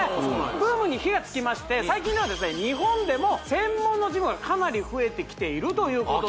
ブームに火がつきまして最近では日本でも専門のジムがかなり増えてきているということです